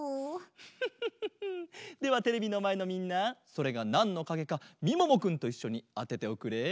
フフフフフではテレビのまえのみんなそれがなんのかげかみももくんといっしょにあてておくれ。